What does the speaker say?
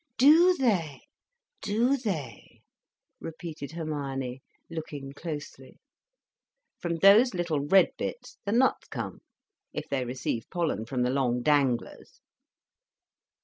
"Do they, do they!" repeated Hermione, looking closely. "From those little red bits, the nuts come; if they receive pollen from the long danglers."